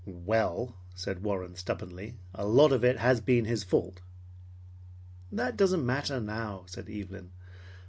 "Well, " said Warren stubbornly, "a lot of it has been his fault." "That doesn't matter now," said Evelyn.